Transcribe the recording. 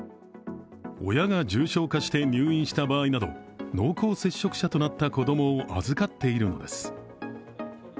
親が重症化して入院した場合など濃厚接触者となった子供を預かっているんです。